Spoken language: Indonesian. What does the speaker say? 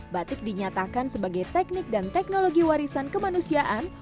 dua ribu dua batik dinyatakan sebagai teknik dan teknologi warisan kemanusiaan